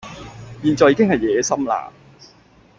現在已經係夜深喇